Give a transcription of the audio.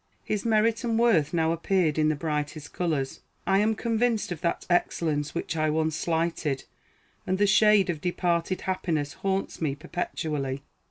His merit and worth now appear in the brightest colors. I am convinced of that excellence which I once slighted, and the shade of departed happiness haunts me perpetually.